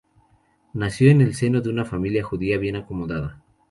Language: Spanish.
Nació en el seno de una familia judía bien acomodada.